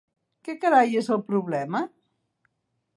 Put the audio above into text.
Què carai és el problema?